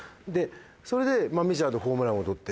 それでメジャーでホームラン王取って。